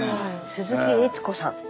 鈴木悦子さん。